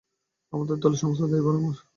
আমার দলের সমস্ত দায়ভার আমার।